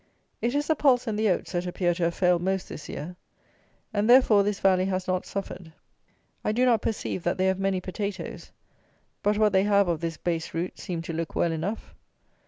It is the pulse and the oats that appear to have failed most this year; and therefore this Valley has not suffered. I do not perceive that they have many potatoes; but what they have of this base root seem to look well enough.